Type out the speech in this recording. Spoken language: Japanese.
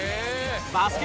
バスケ